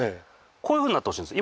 こういうふうになってほしいんです。